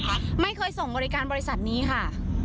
สี่หลีวันรับสัตว์นะคะ